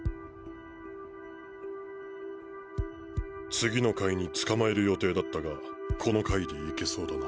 次の回につかまえる予定だったがこの回でいけそうだな。